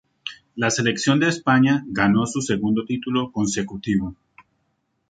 La selección de España ganó su segundo título consecutivo.